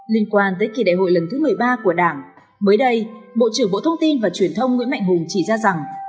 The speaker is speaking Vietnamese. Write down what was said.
liên quan tới kỳ đại hội lần thứ một mươi ba của đảng mới đây bộ trưởng bộ thông tin và truyền thông nguyễn mạnh hùng chỉ ra rằng